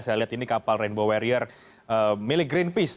saya lihat ini kapal rainbow warrior milik greenpeace